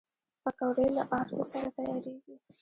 پکورې له آردو سره تیارېږي